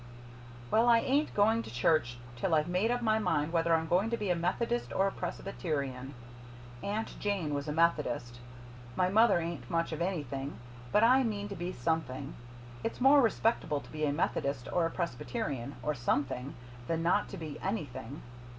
"Well, I ain't going to church till I've made up my mind whether I'm going to be a Methodist or a Presbyterian. Aunt Jane was a Methodist. My mother ain't much of anything but I mean to be something. It's more respectable to be a Methodist or a Presbyterian, or SOMETHING, than not to be anything.